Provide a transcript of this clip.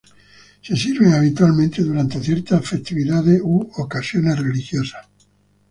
Se sirven habitualmente durante ciertas festividades u ocasiones religiosas.